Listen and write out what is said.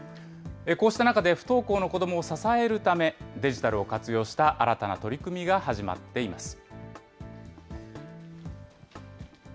こうした中で不登校の子どもを支えるため、デジタルを活用した新たな取り組みが始まっています。